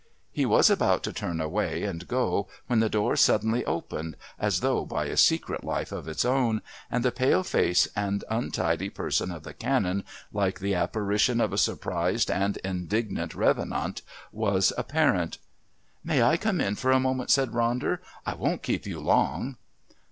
He was about to turn away and go when the door suddenly opened, as though by a secret life of its own, and the pale face and untidy person of the Canon, like the apparition of a surprised and indignant revenant, was apparent. "May I come in for a moment?" said Ronder. "I won't keep you long."